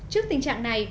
trước tình trạng này